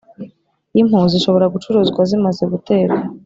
Impu zishobora gucuruzwa zimaze guterwa